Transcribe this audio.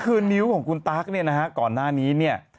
ก็นิ้วของคุณตั๊กนะคะก่อนหน้านี้